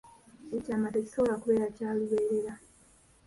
Ekyama tekisobola kubeera kya lubeerera.